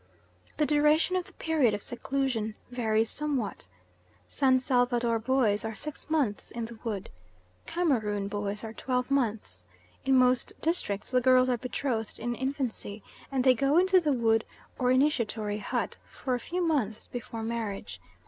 The duration of the period of seclusion varies somewhat. San Salvador boys are six months in the wood. Cameroon boys are twelve months. In most districts the girls are betrothed in infancy, and they go into the wood or initiatory hut for a few months before marriage.